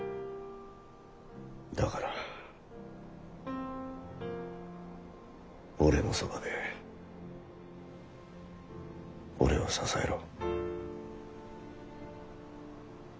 だから俺のそばで俺を支えろ。